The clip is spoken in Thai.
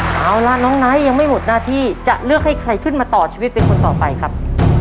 เอาล่ะน้องไนท์ยังไม่หมดหน้าที่จะเลือกให้ใครขึ้นมาต่อชีวิตเป็นคนต่อไปครับ